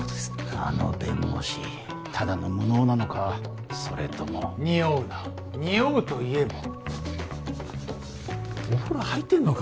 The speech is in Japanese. あの弁護士ただの無能なのかそれともにおうなにおうといえばお風呂入ってんのか？